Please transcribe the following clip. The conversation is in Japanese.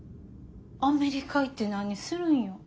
アメリカ行って何するんよ。